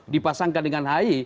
dipasangkan dengan hayi